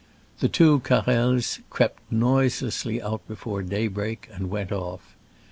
The two Carrels crept noiselessly out before daybreak, and went off.